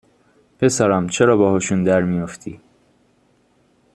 پسرم چرا باهاشون درمی افتی